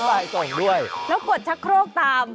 บ๊ายบายส่งด้วยแล้วกดชักโครกตาม